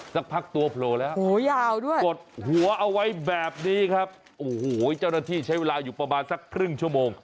สักพักตัวโผล่แล้วโหยาวด้วยกดหัวเอาไว้แบบนี้ครับโอ้โหเจ้าหน้าที่ใช้เวลาอยู่ประมาณสักครึ่งชั่วโมง